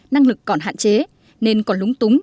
năng lực còn hạn chế nên còn lúng túng